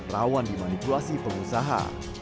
rawan dimanipulasi pengusaha